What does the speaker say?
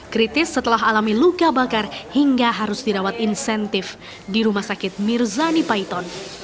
kritis setelah alami luka bakar hingga harus dirawat insentif di rumah sakit mirzani paiton